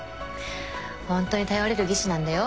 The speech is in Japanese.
ホントに頼れる技師なんだよ